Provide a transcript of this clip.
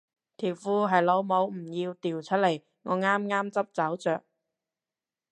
條褲係老母唔要掉出嚟我啱啱執走着